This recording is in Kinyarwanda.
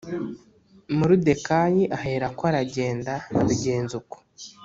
Moridekayi Aherako Aragenda Abigenza Uko